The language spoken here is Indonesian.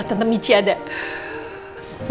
tentang michi ada